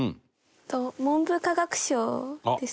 文部科学省ですか？